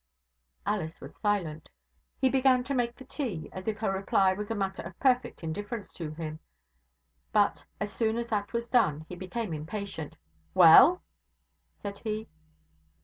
Alice was silent. He began to make the tea, as if her reply was a matter of perfect indifference to him; but, as soon as that was done, he became impatient. 'Well?' said he.